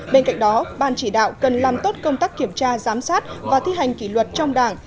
bên cạnh đó ban chỉ đạo cần làm tốt công tác kiểm tra giám sát và thi hành kỷ luật trong đảng